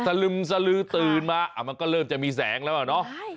สลึมสลือตื่นมามันก็เริ่มจะมีแสงแล้วอ่ะเนาะ